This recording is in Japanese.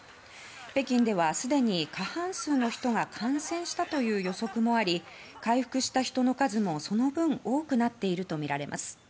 北京ではすでに過半数の人が感染したという予測もあり回復した人の数も、その分多くなっているとみられます。